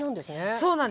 そうなんです。